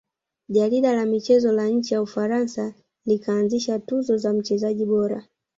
Jarida la michezo la nchi ya ufaransa likaanzisha tuzo za mchezaji bora